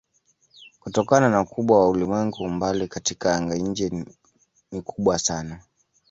Kutokana na ukubwa wa ulimwengu umbali katika anga-nje ni kubwa sana.